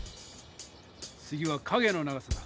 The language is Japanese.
次は影の長さだ。